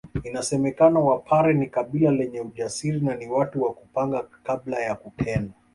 Inasemekana Wapare ni kabila lenye ujasiri na ni watu wa kupanga kabla ya kutenda